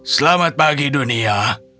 selamat pagi dunia